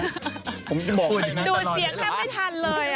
ดูเสียงลวกไม่ทันเลย